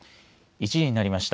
１時になりました。